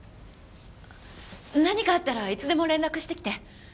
何かあったらいつでも連絡してきて。